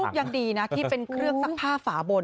ยังดีนะที่เป็นเครื่องซักผ้าฝาบน